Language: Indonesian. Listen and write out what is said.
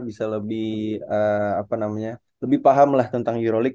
bisa lebih paham lah tentang euroleague karena ini kayaknya bisa jadi salah satu acuan juga untuk kita